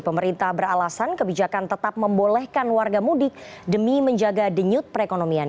pemerintah beralasan kebijakan tetap membolehkan warga mudik demi menjaga denyut perekonomian